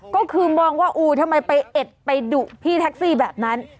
ก็คือมองว่าอู้ทำไมไปเอ็ดไปดุพี่แท็กซี่แบบนั้น